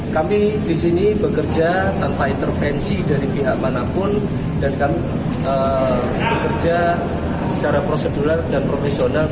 kami di sini bekerja tanpa intervensi dari pihak manapun dan kami bekerja secara prosedural dan profesional